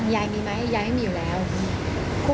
แล้วอย่างนี้เราก็จะไปอยู่ที่ไหนอะพี่